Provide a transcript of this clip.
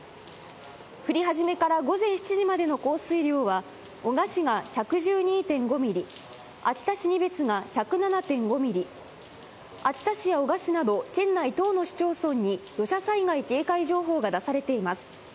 降り始めから午前７時までの降水量は、男鹿市が１１２．５ミリ、秋田市仁別が１０７．５ミリ、秋田市や男鹿市など県内１０の市町村に土砂災害警戒情報が出されています。